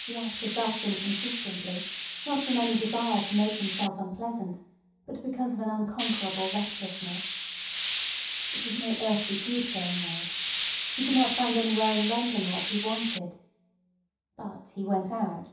He acted thus inconsistently, not from any desire to make himself unpleasant, but because of an unconquerable restlessness. It was no earthly good going out. He could not find anywhere in London what he wanted. But he went out.